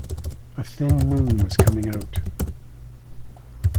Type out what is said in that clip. A thin moon was coming out.